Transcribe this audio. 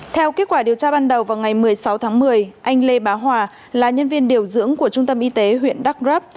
theo kết quả điều tra ban đầu vào ngày một mươi sáu tháng một mươi anh lê bá hòa là nhân viên điều dưỡng của trung tâm y tế huyện đắk rấp